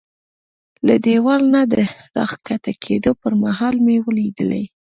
له دېوال نه د را کښته کېدو پر مهال مې ولیدلې.